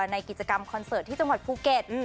ในกิจกรรมคอนเสิร์ตที่จังหวัดภูเก็ต